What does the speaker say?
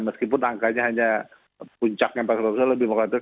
meskipun angkanya hanya puncaknya empat ratus empat lebih mengkhawatirkan